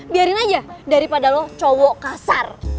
biarin aja daripada lo cowok kasar